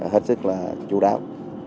hết sức là chú đáo